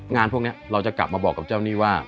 งานพวกนี้เราจะกลับมาบอกกับเจ้าหนี้ว่า